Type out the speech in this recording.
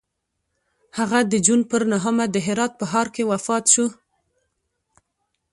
هغه د جون پر نهمه د هرات په ښار کې وفات شو.